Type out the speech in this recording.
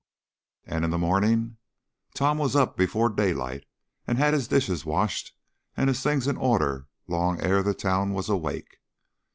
And in the morning! Tom was up before daylight and had his dishes washed and his things in order long ere the town was awake.